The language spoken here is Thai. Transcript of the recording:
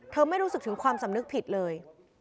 ไม่รู้สึกถึงความสำนึกผิดเลย